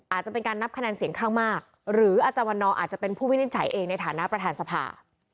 อาจจะเป็นการนับคะแนนเสียงข้างมากหรืออาจารย์วันนอร์อาจจะเป็นผู้วินิจฉัยเองในฐานะประธานสภา